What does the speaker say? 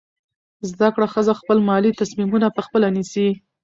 زده کړه ښځه خپل مالي تصمیمونه پخپله نیسي.